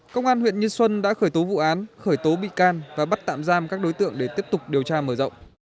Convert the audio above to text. công an huyện như xuân đã khởi tố vụ án khởi tố bị can và bắt tạm giam các đối tượng để tiếp tục điều tra mở rộng